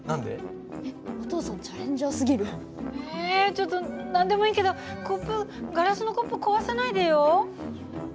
ちょっと何でもいいけどコップガラスのコップ壊さないでよ。